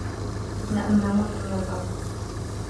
كدنا أن نموت من البرد.